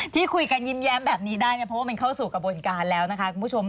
ที่คุยกันยิ้มแย้มแบบนี้ได้เนี่ยเพราะว่ามันเข้าสู่กระบวนการแล้วนะคะคุณผู้ชม